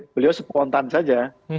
beliau spontan saja